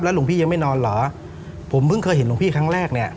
หลวงพี่ยังไม่นอนเหรอผมเพิ่งเคยเห็นหลวงพี่ครั้งแรกเนี่ย